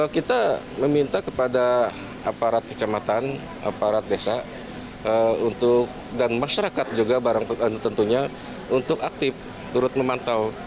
kita meminta kepada aparat kecamatan aparat desa dan masyarakat juga barang tentunya untuk aktif turut memantau